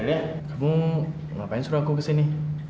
delia kamu ngapain suruh aku kesini